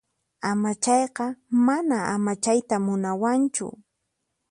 Amachaqqa mana amachayta munawanchu.